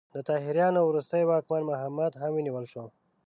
د طاهریانو وروستی واکمن محمد هم ونیول شو.